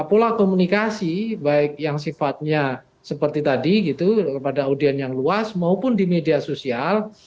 pola komunikasi baik yang sifatnya seperti tadi gitu pada audien yang luas maupun di media sosial